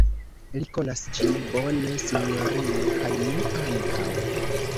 Li konas ĝin bone, sinjorino, kaj mi ankaŭ.